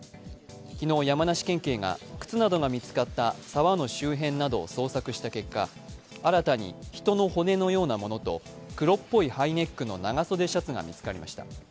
昨日、山梨県警が靴などが見つかった沢の周辺などを捜索した結果、新たに人の骨のようなものと黒っぽいハイネックの長袖シャツが見つかりました。